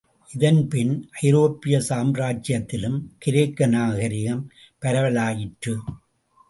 இதன்பின் ஐரோப்பிய சாம்ராச்சியத்திலும் கிரேக்க நாகரிகம் பரவலாயிற்று.